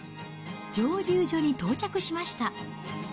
蒸留所に到着しました。